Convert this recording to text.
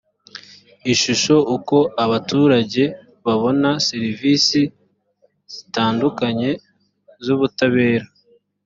ishusho uko abaturage babona serivisi zitandukanye z ubutabera